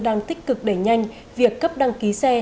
đang tích cực đẩy nhanh việc cấp đăng ký xe